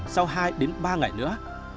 sau hai ba ngày nữa